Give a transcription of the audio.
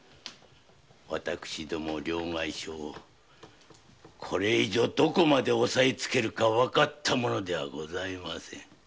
私ども両替商をこれ以上どこまで抑えつけるかわかったものではございません。